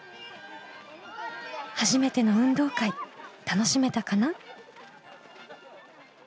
初めての運動会楽しめたかな？